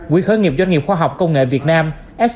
quỹ khởi nghiệp doanh nghiệp khoa học công nghệ việt nam